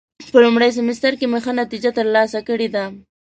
په لومړي سمستر کې مې ښه نتیجه ترلاسه کړې ده.